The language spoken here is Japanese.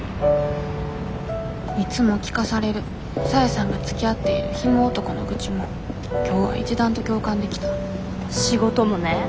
いつも聞かされる沙瑛さんがつきあっているヒモ男の愚痴も今日は一段と共感できた仕事もね